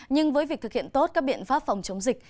nhưng với việc thực hiện tốt các biện pháp phòng chống dịch